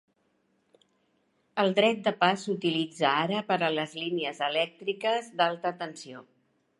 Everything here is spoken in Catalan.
El dret de pas s'utilitza ara per a les línies elèctriques d'alta tensió.